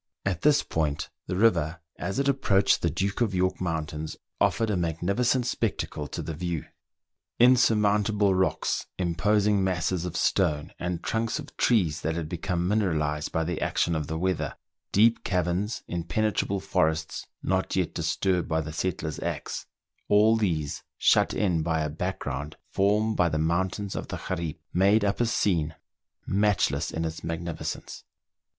At this point the river, as it approached the Duke of MERIDIANA; THE ADVENTURES OF York Mountains, offered a magnificent spectacle to the view. Insurmountable rocks, imposing masses of stone, and trunks of trees that had become mineralized by the action of the weather, deep caverns, impenetrable forests, not yet disturbed by the settler's axe, all these, shut in by a background formed by the mountains of the Gariep, made up a scene matchless in its magnificence.